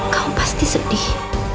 kamu pasti sedih